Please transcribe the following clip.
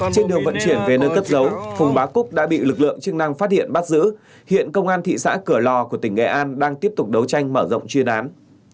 trên đường vận chuyển về nơi cất dấu phùng bá cúc đã bị lực lượng chức năng phát hiện bắt giữ hiện công an thị xã cửa lò của tỉnh nghệ an đang tiếp tục đấu tranh mở rộng chuyên án